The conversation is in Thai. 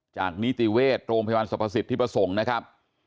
นิติเวชโรงพยาบาลสรรพสิทธิประสงค์นะครับ